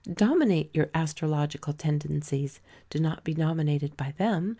Dominate your astrological tendencies, do not be dominated by them.